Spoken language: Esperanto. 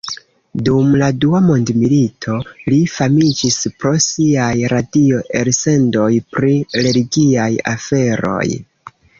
Dum la Dua mondmilito li famiĝis pro siaj radio-elsendoj pri religiaj aferoj.